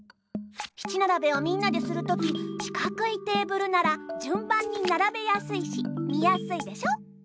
７ならべをみんなでするときしかくいテーブルならじゅんばんにならべやすいしみやすいでしょ？